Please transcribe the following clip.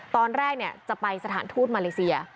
ตอนแรกจะไปสถานทูตมาเลเซีย